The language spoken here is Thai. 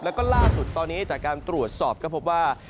แล้วก็ล่าสุดตอนนี้จากการตรวจสอบก็พบว่า